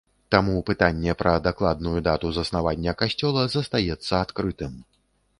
Таму пытанне пра дакладную дату заснавання касцёла застаецца адкрытым.